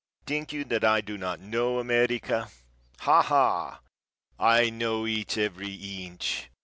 Think you that I do not know America! Ha ha! I know its every inch.